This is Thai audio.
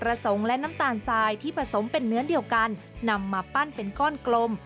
และน้ำตาลทรายที่ผสมเป็นเนื้อเดียวกันนำมาปั้นเป็นก้อนกลม